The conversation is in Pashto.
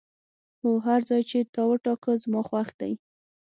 هو، هر ځای چې تا وټاکه زما خوښ دی.